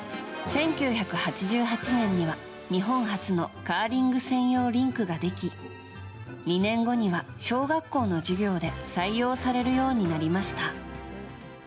１９８８年には、日本初のカーリング専用リンクができ２年後には小学校の授業で採用されるようになりました。